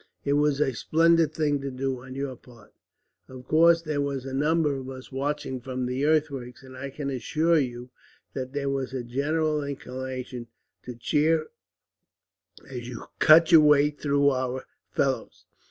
It was a splendid thing to do, on your part. Of course, there were a number of us watching from the earthworks, and I can assure you that there was a general inclination to cheer as you cut your way through our fellows.